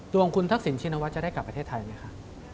ดวงคุณทักษิณชินวัฒนจะได้กลับประเทศไทยไหมคะ